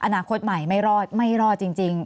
อนาคตใหม่ไม่รอดไม่รอดจริง